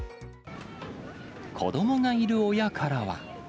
子どもがいる親からは。